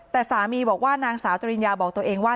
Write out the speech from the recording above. แต่สามีบอกว่านางสาวจริญญาบอกตัวเองว่า